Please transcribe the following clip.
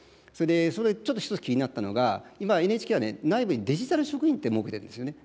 それで、ちょっと１つ気になったのが、今、ＮＨＫは内部にデジタル職員っていうのを設けてるんですよね。